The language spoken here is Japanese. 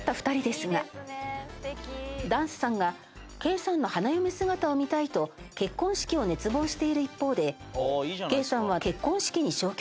談洲さんがケイさんの花嫁姿を見たいと結婚式を熱望している一方でケイさんは結婚式に消極的。